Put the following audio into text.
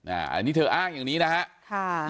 อันนี้เธออ้างอย่างนี้นะฮะ